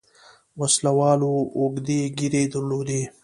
وسله والو اوږدې ږيرې درلودې.